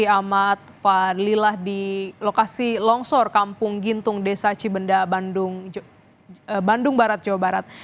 ahmad fadlilah di lokasi longsor kampung gintung desa cibenda bandung barat jawa barat